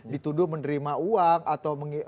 dituduh menerima uang atau